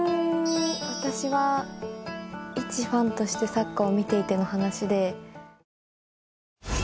うん私はいちファンとしてサッカーを見ていての話で。